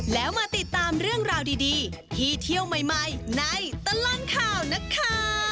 แล้วมาติดตามเรื่องราวดีที่เที่ยวใหม่ในตลอดข่าวนะคะ